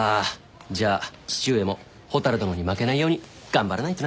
じゃあ父上も蛍殿に負けないように頑張らないとな。